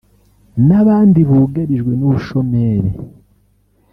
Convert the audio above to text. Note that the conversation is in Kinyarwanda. n’abandi bugarijwe n’ubushomeri